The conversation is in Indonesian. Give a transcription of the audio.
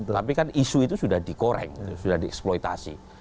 tapi kan isu itu sudah dikoreng sudah dieksploitasi